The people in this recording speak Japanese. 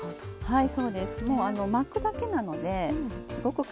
はい。